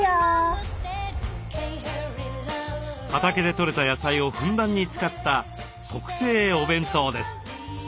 畑で取れた野菜をふんだんに使った特製お弁当です。